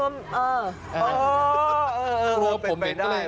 จ๊ะโห